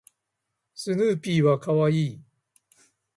スヌーピーは可愛い